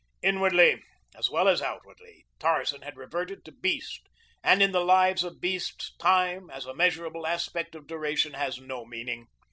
Inwardly as well as outwardly Tarzan had reverted to beast and in the lives of beasts, time, as a measurable aspect of duration, has no meaning.